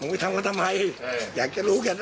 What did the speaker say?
มึงไม่ทำก็ทำไมอยากจะรู้แค่นั้นนะ